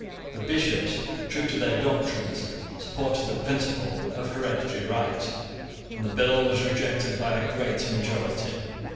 The Bishops, true to their doctrines, supported the principle of hereditary right, and the bill was rejected by a great majority.